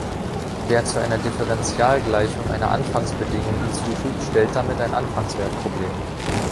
Wer zu einer Differentialgleichung eine Anfangsbedingung hinzufügt, stellt damit ein Anfangswertproblem.